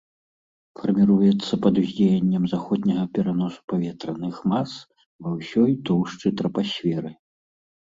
Фарміруецца пад уздзеяннем заходняга пераносу паветраных мас ва ўсёй тоўшчы трапасферы.